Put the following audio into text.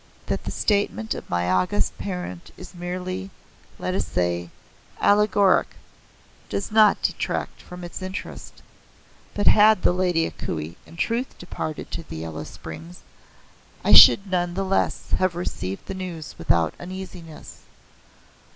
"That the statement of my august Parent is merely let us say allegoric does not detract from its interest. But had the Lady A Kuei in truth departed to the Yellow Springs I should none the less have received the news without uneasiness.